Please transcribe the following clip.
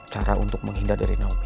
cara untuk menghindar dari naomi